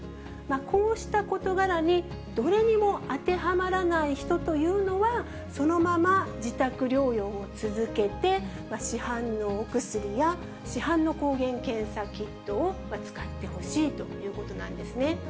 こうした事柄に、どれにも当てはまらない人というのはそのまま自宅療養を続けて、市販のお薬や、市販の抗原検査キットを使ってほしいということなんですね。